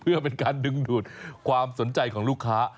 เพื่อเป็นการดึงดูดความสนใจของลูกค้า